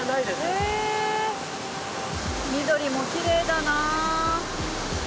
へ緑もきれいだな。